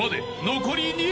残り２曲］